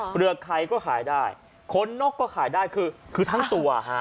ใครก็ขายได้คนนกก็ขายได้คือทั้งตัวฮะ